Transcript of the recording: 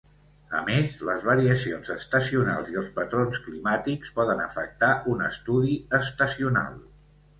A més, les variacions estacionals i els patrons climàtics poden afectar un estudi estacional.